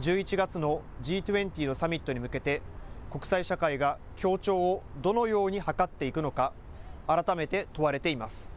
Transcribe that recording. １１月のＧ２０のサミットに向けて国際社会が協調をどのように図っていくのか改めて問われています。